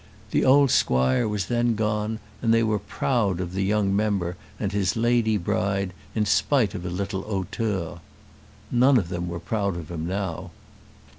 The old squire was then gone, and they were proud of the young member and his lady bride in spite of a little hauteur. None of them were proud of him now.